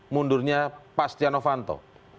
mundurnya pas tia novanto